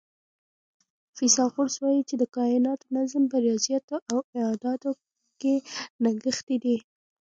فیثاغورث وایي چې د کائناتو نظم په ریاضیاتو او اعدادو کې نغښتی دی.